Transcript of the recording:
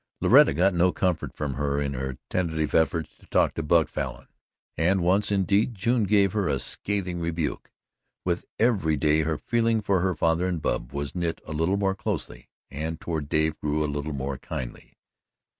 Loretta got no comfort from her in her tentative efforts to talk of Buck Falin, and once, indeed, June gave her a scathing rebuke. With every day her feeling for her father and Bub was knit a little more closely, and toward Dave grew a little more kindly.